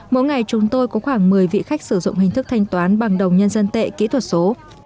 mỗi ngày chúng tôi có khoảng một mươi vị khách sử dụng hình thức thanh toán bằng đồng nhân dân tệ kỹ thuật số